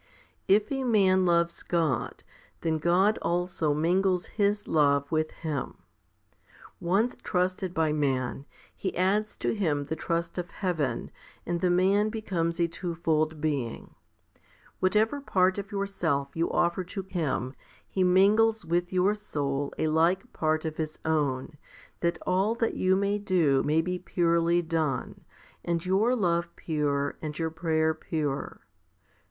22. If a man loves God, then God also mingles His love with him. Once trusted by man, He adds to him the trust of heaven, and the man becomes a twofold being. What ever part of yourself you offer to Him, He mingles with your soul a like part of His own, that all that you do may be purely done, and your love pure and your prayer pure.